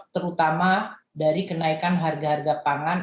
terutama dari kenaikan harga harga pangan